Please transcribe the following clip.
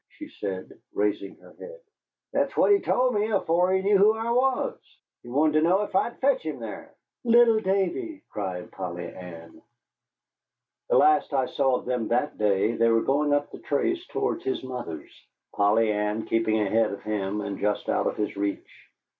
said she, raising her head. "That's what he told me afore he knew who I was. He wanted to know ef I'd fetch him thar." "Little Davy!" cried Polly Ann. The last I saw of them that day they were going off up the trace towards his mother's, Polly Ann keeping ahead of him and just out of his reach.